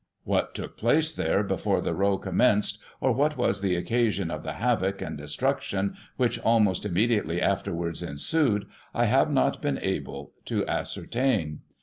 What took place there before the row commenced, or what was the occasion of the havoc and destruction which almost immediately afterwards ensued, I have not been able to as certain.